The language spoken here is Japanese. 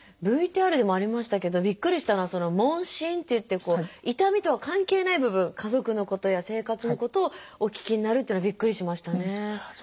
ＶＴＲでもありましたけどびっくりしたのは問診っていって痛みとは関係ない部分家族のことや生活のことをお聞きになるっていうのはびっくりしましたね。